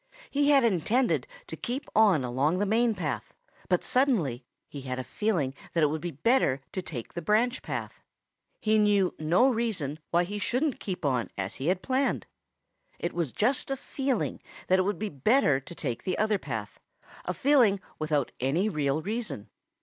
He had intended to keep on along the main path, but suddenly he had a feeling that it would be better to take the branch path. He knew no reason why he shouldn't keep on as he had planned. It was just a feeling that it would be better to take the other path, a feeling without any real reason.